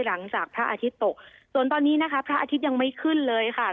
หลังจากพระอาทิตย์ตกส่วนตอนนี้นะคะพระอาทิตย์ยังไม่ขึ้นเลยค่ะ